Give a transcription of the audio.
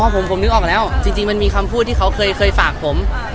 ผมนึกออกแล้วจริงมันมีคำพูดที่เขาเคยฝากผม